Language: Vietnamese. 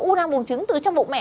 u năng bùng trứng từ trong bụng mẹ